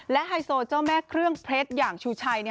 ไฮโซเจ้าแม่เครื่องเพชรอย่างชูชัย